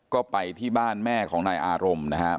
ก็ไปที่บ้านแม่ของนายอารมณ์นะครับ